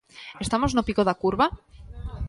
Estamos no pico da curva?